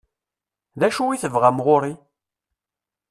D acu i tebɣam ɣur-i?